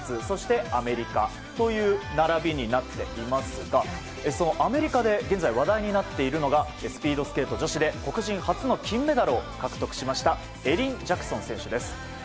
そして、アメリカという並びになっていますがそのアメリカで現在、話題になっているのがスピードスケート女子で黒人女性初の金メダルを獲得しましたエリン・ジャクソン選手です。